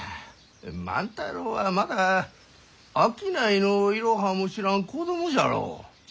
万太郎はまだ商いのイロハも知らん子供じゃろ。